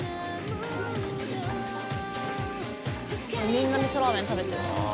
みんな味噌ラーメン食べてる。